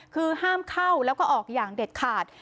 คือห้ามเข้าแล้วก็ออกอย่างเด็ดขาด